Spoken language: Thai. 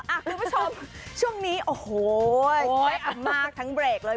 คุณผู้ชมช่วงนี้โอ้โหสวยงามมากทั้งเบรกเลย